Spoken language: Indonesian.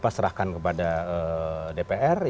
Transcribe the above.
serahkan kepada dpr